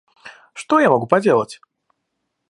Что я могу поделать?